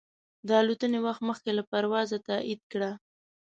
د الوتنې وخت مخکې له پروازه تایید کړه.